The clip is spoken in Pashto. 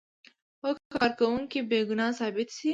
هو که کارکوونکی بې ګناه ثابت شي.